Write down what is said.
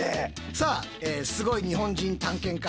さあすごい日本人探検家